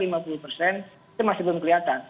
itu masih belum kelihatan